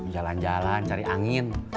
jalan jalan cari angin